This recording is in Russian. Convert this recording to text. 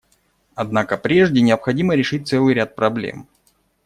Однако прежде необходимо решить целый ряд проблем.